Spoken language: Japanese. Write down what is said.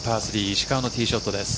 ３石川のティーショットです。